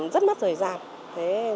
rất mất thời gian